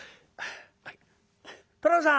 「寅さん